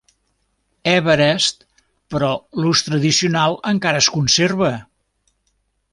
Everest, però l'ús tradicional encara es conserva.